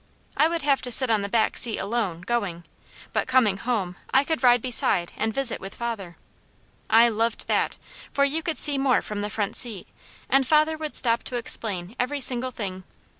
I would have to sit on the back seat alone, going; but coming home I could ride beside and visit with father. I loved that, for you could see more from the front seat, and father would stop to explain every single thing.